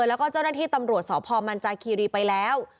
แล้วก็เจ้าหน้าที่ตำรวจสพมันจาคีรีไปแล้ว